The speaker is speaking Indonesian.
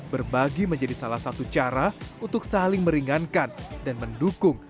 berbagi menjadi salah satu cara untuk saling meringankan dan mendukung